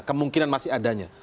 kemungkinan masih adanya